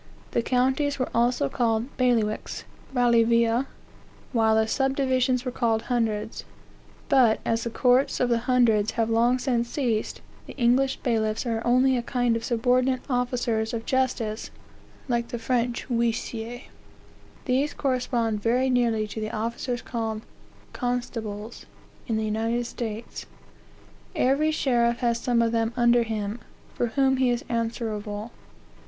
The counties were also called bailiwicks, (bailivae,) while the subdivisions were called hundreds, but, as the courts of the hundreds have long since ceased, the English bailiffs are only a kind of subordinate officers of justice, like the French huissiers. These correspond very nearly to the officers called constables in the United States. Every sheriff has someof them under him, for whom he is answerable.